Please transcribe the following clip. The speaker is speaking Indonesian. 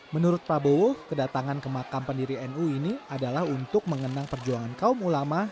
menurut prabowo kedatangan ke makam pendiri nu ini adalah untuk mengenang perjuangan kaum ulama